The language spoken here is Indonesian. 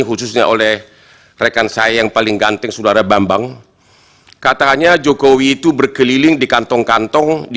khususnya oleh rekan saya yang paling ganteng